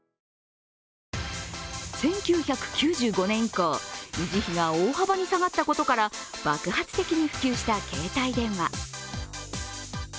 １９９５年以降、維持費が大幅に下がったことから爆発的に普及した携帯電話。